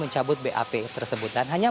mencabut bap tersebut dan hanya